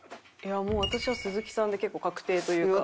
もう私は鈴木さんで結構確定というか。